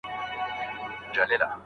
نوي تجربې مو د ژوند لید پراخوي.